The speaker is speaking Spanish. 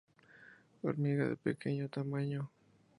Hormiga de pequeño tamaño.